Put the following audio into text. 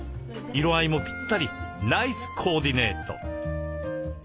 色合いもピッタリ！ナイスコーディネート。